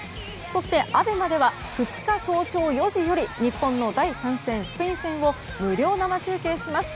そしてＡＢＥＭＡでは２日早朝４時より日本の第３戦、スペイン戦を無料生中継します。